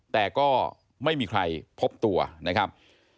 แต่ก็ไม่มีใครพบตัวนะครับ